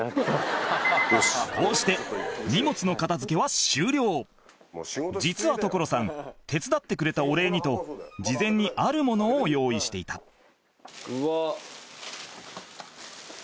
こうして実は所さん手伝ってくれたお礼にと事前にあるものを用意していたえ。